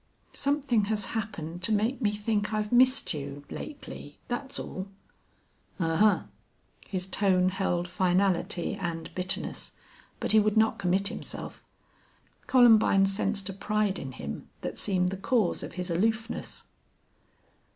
"Something has happened to make me think I've missed you lately that's all." "Ahuh!" His tone held finality and bitterness, but he would not commit himself. Columbine sensed a pride in him that seemed the cause of his aloofness.